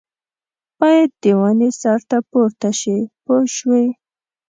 باید د ونې سر ته پورته شي پوه شوې!.